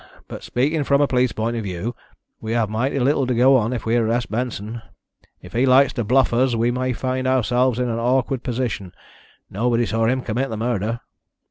But speaking from a police point of view, we have mighty little to go on if we arrest Benson. If he likes to bluff us we may find ourselves in an awkward position. Nobody saw him commit the murder."